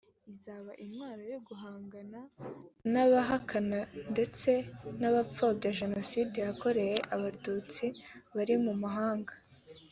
bizaba intwaro yo guhangana n’abahakana ndetse n’abapfobya Jenoside yakorewe Abatutsi bari mu mahanga